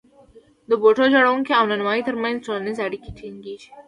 د بوټ جوړونکي او نانوای ترمنځ ټولنیزې اړیکې ټینګېږي